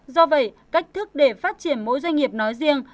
do vậy cách thức để phát triển mỗi doanh nghiệp nói riêng